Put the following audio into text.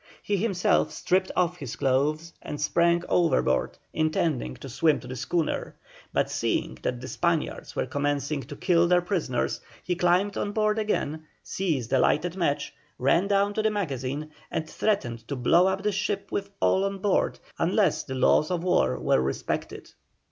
He himself stripped off his clothes and sprang overboard intending to swim to the schooner, but seeing that the Spaniards were commencing to kill their prisoners, he climbed on board again, seized a lighted match, ran down to the magazine, and threatened to blow up the ship with all on board unless the laws of war were respected.